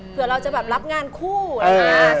เผื่อเราจะแบบรับงานคู่อะไรอย่างเงี้ย